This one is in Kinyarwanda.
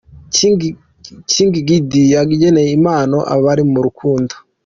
King Giddy yageneye impano abari mu rukundo.